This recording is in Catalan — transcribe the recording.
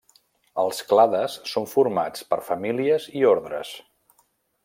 Els clades són formats per famílies i ordres.